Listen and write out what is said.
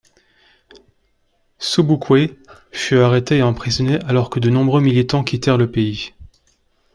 Sobukwe fut arrêté et emprisonné alors que de nombreux militants quittèrent le pays.